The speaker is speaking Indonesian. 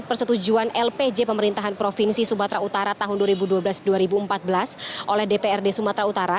persetujuan lpj pemerintahan provinsi sumatera utara tahun dua ribu dua belas dua ribu empat belas oleh dprd sumatera utara